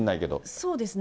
そうですね。